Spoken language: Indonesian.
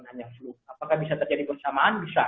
apakah bisa terjadi bersamaan bisa